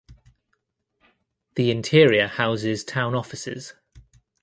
The interior houses town offices.